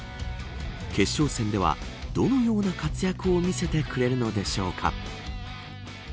決勝戦ではどのような活躍を見せてくれるのでしょうか。